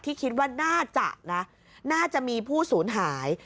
คิดว่าน่าจะนะน่าจะมีผู้สูญหาย